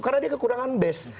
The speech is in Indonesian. karena dia kekurangan base